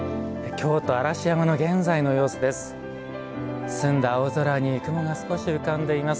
京都嵐山の現在の様子です。